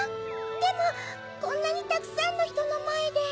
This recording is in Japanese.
でもこんなにたくさんのひとのまえで。